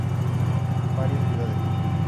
Varias ciudades.